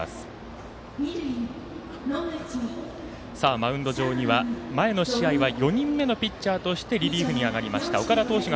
マウンド上には前の試合は４人目のピッチャーとしてリリーフに上がりました岡田投手が